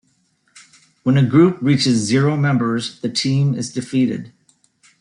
When a group reaches zero members, the team is defeated.